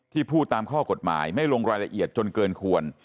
พูดตามข้อกฎหมายไม่ลงรายละเอียดจนเกินควร